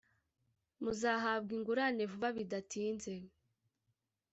Muzahabwa ingurane vuba bidatinze